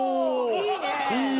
いいね